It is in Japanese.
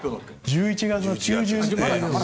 １１月中旬です。